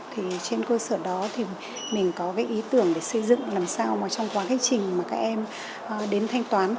trên cơ sở đó thì mình có ý tưởng để xây dựng làm sao mà trong quá khách trình mà các em đến thanh toán